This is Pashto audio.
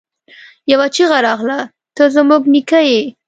يوه چيغه راغله! ته زموږ نيکه يې!